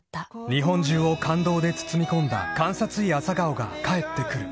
日本中を感動で包み込んだ「監察医朝顔」が帰ってくる。